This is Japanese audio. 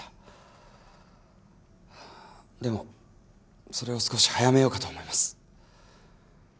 でもそれを少し早めようかと思います。